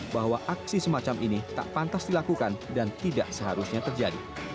bahwa hal yang tidak pantas dilakukan dan tidak seharusnya terjadi